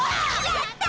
やった！